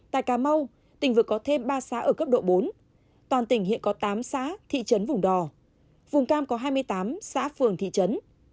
tại cà mau tỉnh vừa có thêm ba xã ở cấp độ bốn toàn tỉnh hiện có tám xã thị trấn vùng đò vùng cam có hai mươi tám xã phường thị trấn